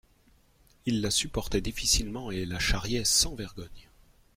Il la supportait difficilement et la charriait sans vergogne.